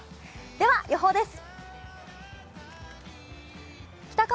では予報です。